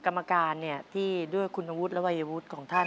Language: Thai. กรรมการที่ด้วยคุณวุฒิและวัยวุฒิของท่าน